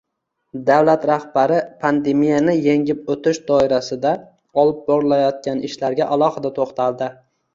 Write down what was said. Davlat rahbari pandemiyani yengib o‘tish doirasida olib borilayotgan ishlarga alohida to‘xtaldi